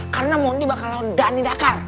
karena mondi bakal lawan dhani dakar